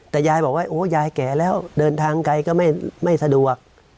แต่ยายบอกว่าโอ้ยายแก่แล้วเดินทางไกลก็ไม่สะดวก